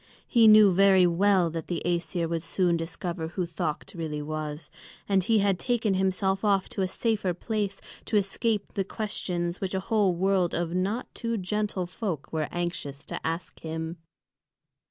He knew very well that the Æsir would soon discover who Thökt really was. And he had taken himself off to a safer place, to escape the questions which a whole world of not too gentle folk were anxious to ask him.